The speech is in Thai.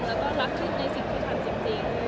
พี่เรารักที่จะในสิ่งที่ทำจริง